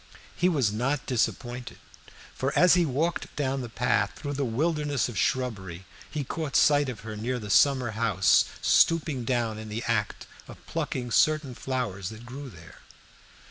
He was not disappointed, for as he walked down the path through the wilderness of shrubbery he caught sight of her near the summer house, stooping down in the act of plucking certain flowers that grew there.